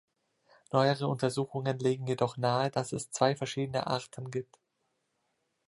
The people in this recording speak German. Neuere Untersuchungen legen jedoch nahe, dass es zwei verschiedene Arten gibt.